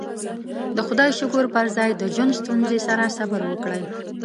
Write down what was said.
د خدايې شکر پر ځای د ژوند ستونزې سره صبر وکړئ.